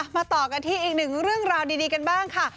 ต่อกันที่อีกหนึ่งเรื่องราวดีกันบ้างค่ะ